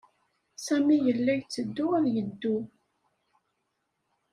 Sami yella yetteddu ad yeddu.